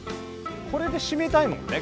これで締めたいもんね。